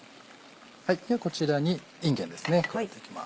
ではこちらにいんげんですね加えていきます。